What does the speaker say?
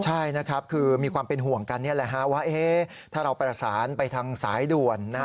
ใช่นะครับคือมีความเป็นห่วงกันนี่แหละฮะว่าถ้าเราประสานไปทางสายด่วน